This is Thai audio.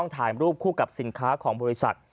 ถ่ายรูปคู่กับสินค้าของบริษัท